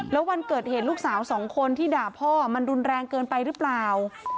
แล้ววันเกิดเหตุลูกสาวสองคนที่ด่าพ่อมันรุนแรงเกินไปหรือเปล่า